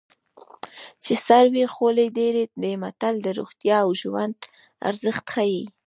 چې سر وي خولۍ ډېرې دي متل د روغتیا او ژوند ارزښت ښيي